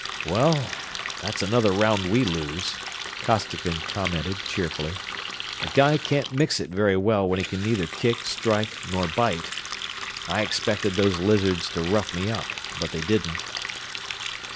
"Well, that's another round we lose," Costigan commented, cheerfully. "A guy can't mix it very well when he can neither kick, strike, nor bite. I expected those lizards to rough me up, but they didn't."